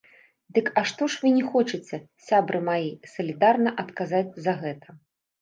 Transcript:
Дык а што ж вы не хочаце, сябры мае, салідарна адказаць за гэта?